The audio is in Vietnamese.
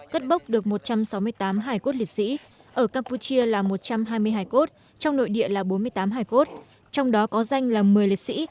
cất bốc được một trăm sáu mươi tám hải cốt liệt sĩ ở campuchia là một trăm hai mươi hai cốt trong nội địa là bốn mươi tám hải cốt trong đó có danh là một mươi liệt sĩ